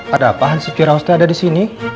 ada apaan si ciraus ada disini